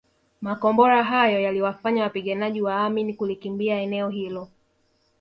Makombora hayo yaliwafanya wapiganaji wa Amin kulikimbia eneo hilo